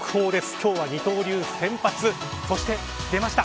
今日は二刀流、先発そして、出ました。